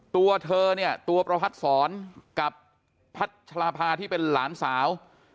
ตัวเธอเนี่ยตัวประพัดศรกับพัชราภาที่เป็นหลานสาว